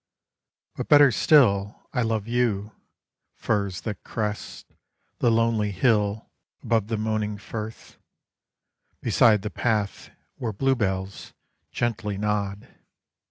But better still I love you, firs that crest The lonely hill above the moaning firth, Beside the path where bluebells gently nod.